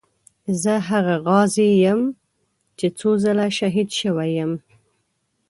زه هغه غازي یم چې څو ځله شهید شوی یم.